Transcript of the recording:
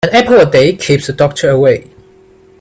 An apple a day keeps the doctor away.